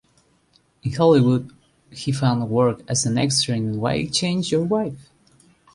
In Hollywood, he found work as an extra in Why Change Your Wife?